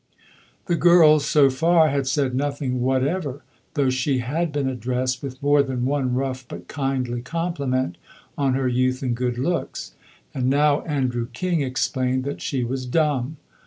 The girl, so far, had said nothing whatever, though she had been addressed with more than one rough but kindly compliment on her youth and good looks. And now Andrew King explained that she was dumb.